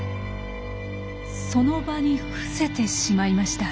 その場に伏せてしまいました。